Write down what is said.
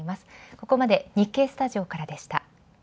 ここまで日経スタジオからでした。